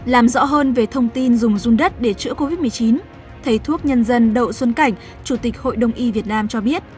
làm rõ hơn về thông tin dùng run đất để chữa covid một mươi chín thầy thuốc nhân dân đậu xuân cảnh chủ tịch hội đồng y việt nam cho biết